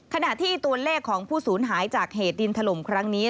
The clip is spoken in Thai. ขณะที่ตัวเลขของผู้สูญหายจากเหตุดินถล่มครั้งนี้